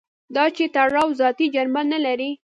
دا چې تړاو ذاتي جنبه نه لري.